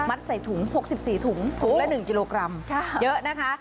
ใส่ถุง๖๔ถุงถุงละ๑กิโลกรัมเยอะนะคะ